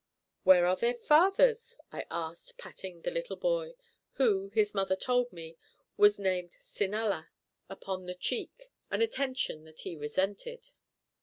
"Where are their fathers?" I asked, patting the little boy (who, his mother told me, was named Sinala) upon the cheek, an attention that he resented.